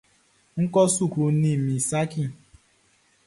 N kɔ suklu nin min saci.